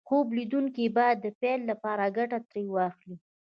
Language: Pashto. خوب ليدونکي بايد د پيل لپاره ګټه ترې واخلي.